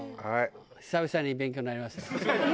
久々に勉強になりましたね。